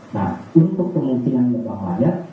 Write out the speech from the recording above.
nah untuk kemungkinan lebang layak